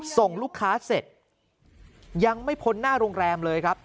ส่งลูกค้าเสร็จยังไม่พ้นหน้าโรงแรมเลยครับ